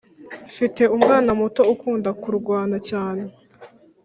Mfite umwana muto ukunda kurwana cyane